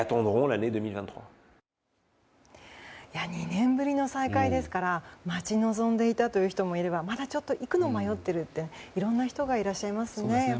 ２年ぶりの再開ですから待ち望んでいたという人もいればまだちょっと行くのを迷っているといろんな方がいらっしゃいますね。